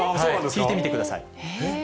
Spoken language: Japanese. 聞いてみてください。